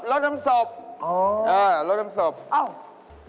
อ๋ออ๋อลดน้ำศพโอ๊ยตอนนี้ไปวัดโอ๊ยตอนนี้ไปวัด